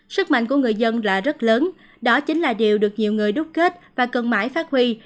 sức mạnh của người dân là rất lớn đó chính là điều được nhiều người đúc kết và cần mãi phát huy